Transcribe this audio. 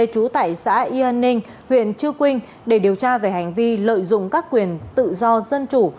chú tải xã yên ninh huyện chư quynh để điều tra về hành vi lợi dụng các quyền tự do dân chủ